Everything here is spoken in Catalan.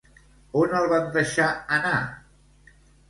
On el van deixar anar?